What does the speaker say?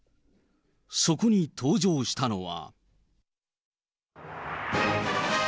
そこに登場したのは。